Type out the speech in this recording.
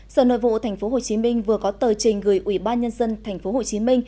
sở nội vụ tp hcm vừa có tờ trình gửi ủy ban nhân dân tp hcm